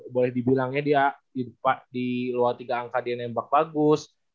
boleh dibilangnya dia di luar tiga angka dia nembak bagus